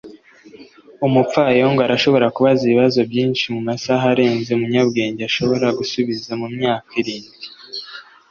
umupfayongo arashobora kubaza ibibazo byinshi mumasaha arenze umunyabwenge ashobora gusubiza mumyaka irindwi.